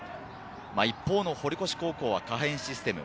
一方の堀越高校は可変システム。